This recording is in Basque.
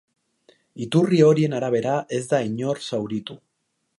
Iturri horien arabera, ez da inor zauritu.